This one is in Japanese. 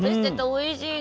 おいしい。